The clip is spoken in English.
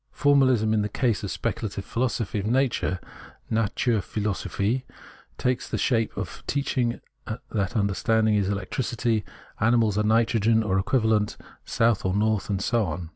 Formahsm in the case of speculative Philosophy of Nature {Naturphilosophie) takes the shape of teaching that understanding is electricity, animals are nitrogen, or equivalent to south or north and so on.